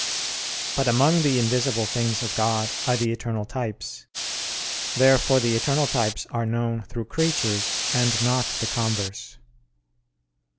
But among the invisible things of God are the eternal types. Therefore the eternal types are known through creatures and not the converse.